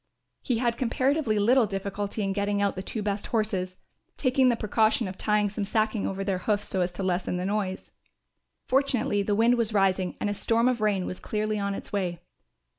He had comparatively little difficulty in getting out the two best horses, taking the precaution of tying some sacking over their hoofs so as to lessen the noise. Fortunately the wind was rising and a storm of rain was clearly on its way.